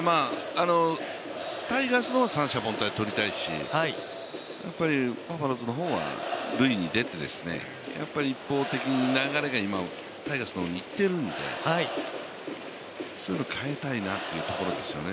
タイガースも三者凡退とりたいし、バファローズの方は塁に出て一方的に流れがタイガースの方にいっているのでそういうのを変えたいなというところですよね。